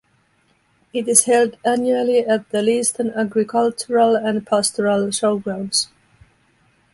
It is held annually at the Leeston Agricultural and Pastoral Showgrounds.